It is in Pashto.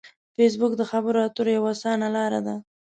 فېسبوک د خبرو اترو یوه اسانه لار ده